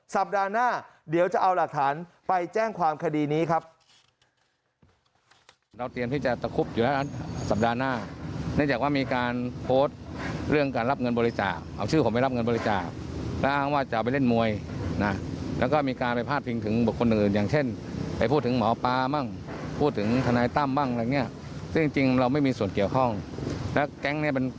สัปดาห์หน้าเดี๋ยวจะเอาหลักฐานไปแจ้งความคดีนี้ครับ